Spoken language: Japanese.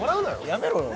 やめろよ